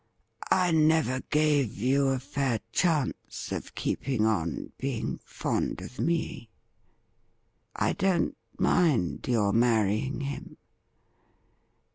I never gave you a fair chance of keeping on being fond of me. I don't mind your marrying him.